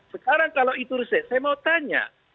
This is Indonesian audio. sekarang kalau itu reses saya mau tanya